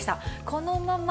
このまま。